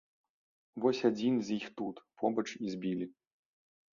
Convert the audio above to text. Вось адзін з іх тут, побач, і збілі.